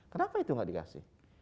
kenapa itu gak dikasih